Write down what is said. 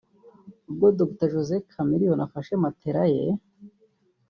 ubwo Dr Josee Chameleone afashe matela ye